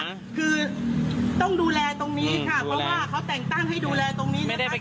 คือต้องดูแลตรงนี้ค่ะเพราะว่าเขาแต่งตั้งให้ดูแลตรงนี้นะคะ